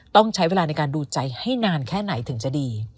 ต้องใช้เวลาในการดูใจให้นานแค่ไหนถึงจะดี